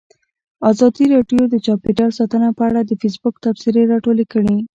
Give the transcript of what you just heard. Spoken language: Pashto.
ازادي راډیو د چاپیریال ساتنه په اړه د فیسبوک تبصرې راټولې کړي.